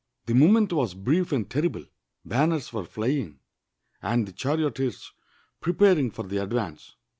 The moment was brief and terrible. Banners were fl}'ing, and the charioteers preparing for the advance.